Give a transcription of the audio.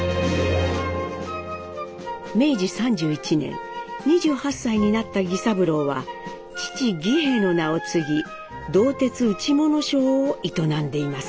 明治３１年２８歳になった儀三郎は父儀平の名を継ぎ「銅鉄打物商」を営んでいます。